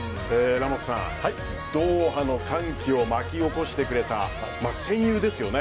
ラモスさん、ドーハの歓喜を巻き起こしてくれた戦友ですよね